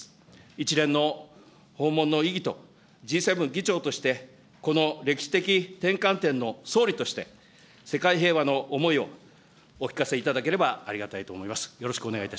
一連の訪問の意義とＧ７議長として、この歴史的転換点の総理として、世界平和の思いをお聞かせいただければありがたいと思います。